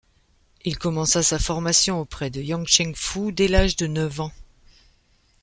Il commença sa formation auprès de Yang Chengfu dès l'âge de neuf ans.